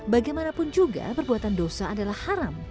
bagaimanapun juga perbuatan dosa adalah haram